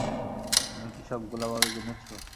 তুমি কি সব গোলাবারুদ এনেছো?